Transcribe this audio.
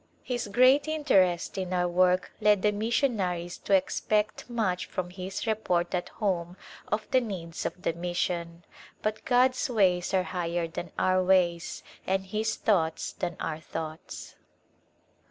His great interest in our v^^ork led the mission aries to expect much from his report at home of the needs of the mission. But God's u^ays are higher than our ways, and His thoughts than our thoughts.